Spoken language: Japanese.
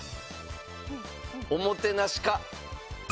おもてなし課。